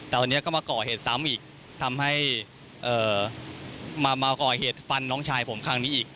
แต่วันนี้ก็มาก่อเหตุซ้ำอีกทำให้มาก่อเหตุฟันน้องชายผมครั้งนี้อีก